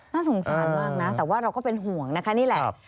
น่าสงสารมากนะแต่ว่าเราก็เป็นห่วงนะคะนี่แหละ